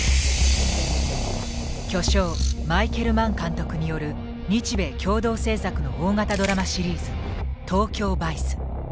巨匠マイケル・マン監督による日米共同制作の大型ドラマシリーズ「ＴＯＫＹＯＶＩＣＥ」。